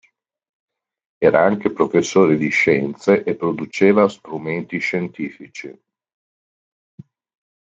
Era anche professore di scienze e produceva strumenti scientifici.